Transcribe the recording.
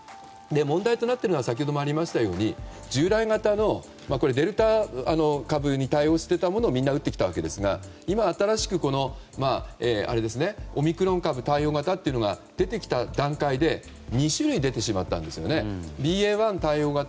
問題となっているのは先ほどもありましたが従来型のデルタ株に対応していたものをみんな打ってきたわけですが今、新しくオミクロン株対応型が出てきた段階で２種類出てしまったんです。